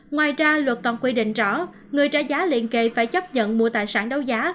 ngoài ra luật còn quy định rõ người trả giá liền kề phải chấp nhận mua tài sản đấu giá